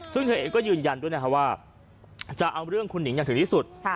ซึ่งเธอเองก็ยืนยันด้วยว่าจะเอาเรื่องคุณหนิงละที่สุด